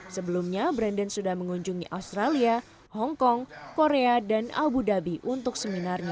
sebelumnya brandon sudah mengunjungi australia hongkong korea dan abu dhabi untuk seminarnya